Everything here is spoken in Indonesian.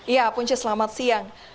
ya punci selamat siang